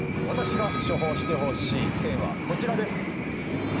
私が処方してほしい「選」はこちらです。